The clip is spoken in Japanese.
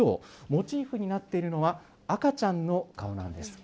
モチーフになっているのは、赤ちゃんの顔なんです。